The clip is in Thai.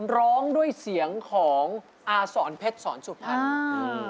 ร้องด้วยเสียงของอาสรเพชรสวรรค์สุภัณฑ์